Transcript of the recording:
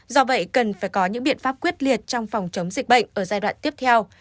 do vậy cần phải có những biện pháp quyết liệt trong phòng chống dịch bệnh ở giai đoạn tiếp theo